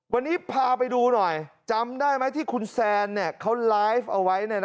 วันนี้พาไปดูหน่อยจำได้ไหมที่คุณแซนเขาไลฟ์เอาไว้